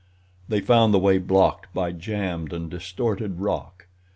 They found the way blocked by jammed and distorted rock.